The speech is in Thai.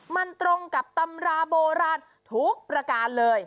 มันตรงกับตำราโบราณทุกประการเลย